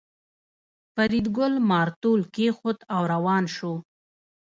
فریدګل مارتول کېښود او روان شو